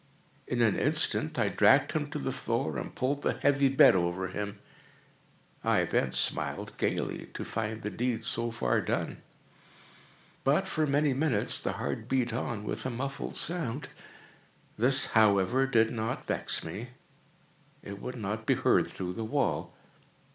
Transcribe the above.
In an instant I dragged him to the floor, and pulled the heavy bed over him. I then smiled gaily, to find the deed so far done. But, for many minutes, the heart beat on with a muffled sound. This, however, did not vex me; it would not be heard through the wall.